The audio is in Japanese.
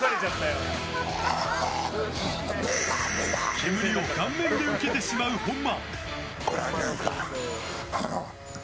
煙を顔面で受けてしまう本間。